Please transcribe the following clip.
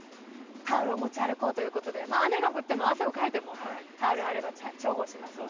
タオルを持ち歩こうということで雨が降っても汗をかいても、タオルがあれば重宝しますね。